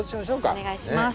お願いします。